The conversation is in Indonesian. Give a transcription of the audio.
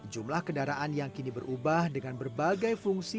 jumlah kendaraan yang kini berubah dengan berbagai fungsi